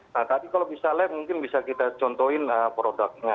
nah tadi kalau misalnya mungkin bisa kita contohin produknya